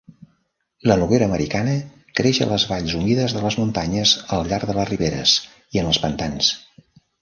La noguera americana creix a les valls humides de les muntanyes al llarg de les riberes i en els pantans.